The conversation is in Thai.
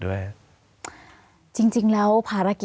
สวัสดีครับทุกคน